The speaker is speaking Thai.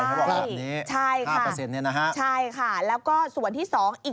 ใช่ค่ะใช่ค่ะแล้วก็ส่วนที่๒